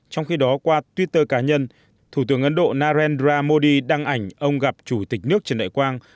trong khi đó qua twitter cá nhân thủ tướng ấn độ narendra modi đăng ảnh ông gặp chủ tịch nước trần đại quang